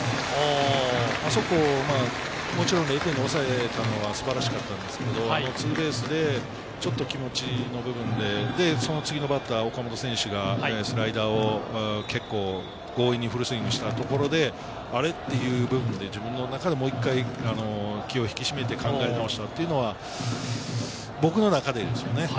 そこを０点におさえたのは素晴らしかったんですけれど、ツーベースでちょっと気持ちの部分で、その次のバッター、岡本選手がスライダーを結構、強引にフルスイングしたところで、あれっていう部分で自分の中でもう１回、気を引き締めて考え直し